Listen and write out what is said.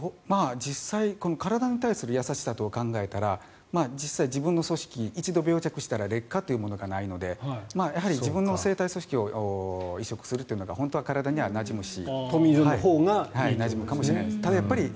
実際、体に対する優しさと考えたら、自分の組織一度、定着したら劣化というものがないので自分の生体組織を移植するというのが本当は体にはなじむかもしれないです。